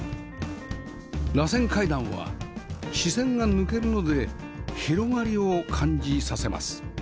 螺旋階段は視線が抜けるので広がりを感じさせます